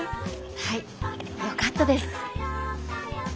はいよかったです。